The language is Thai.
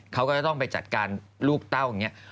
เขาก็จะต้องไปจัดการลูกเต้าอย่างนี้